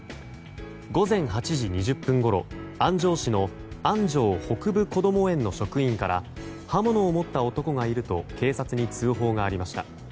午前８時２０分ごろ、安城市の安城北部こども園の職員から刃物を持った男がいると警察に通報がありました。